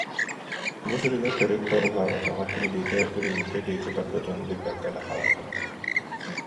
Бу сырыыга төрүт да уһаабатаҕа, илиитэ үрүүмкэ диэки барбытын билбэккэ да хаалбыта